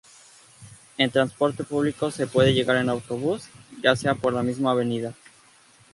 En transporte público se puede llegar en autobús, ya sea por la misma Av.